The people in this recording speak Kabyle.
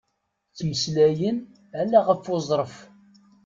Ttmeslayen ala ɣef uẓref.